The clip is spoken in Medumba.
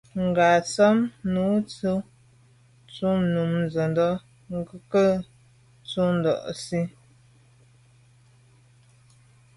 Ngatshob nu Nsi tshùa num nzendà nke’e ntsho Ndà Nsi.